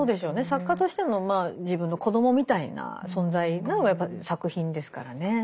作家としてのまあ自分の子どもみたいな存在なのがやっぱり作品ですからね。